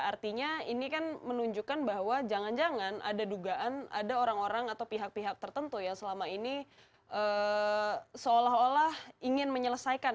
artinya ini kan menunjukkan bahwa jangan jangan ada dugaan ada orang orang atau pihak pihak tertentu yang selama ini seolah olah ingin menyelesaikan